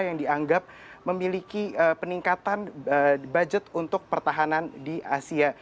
yang dianggap memiliki peningkatan budget untuk pertahanan di asia